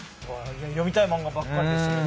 読みたい漫画ばっかりでした。